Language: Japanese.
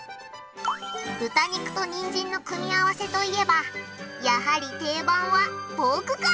豚肉とにんじんの組み合わせといえばやはり定番はポークカレー！